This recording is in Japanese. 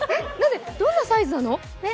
どんなサイズなの？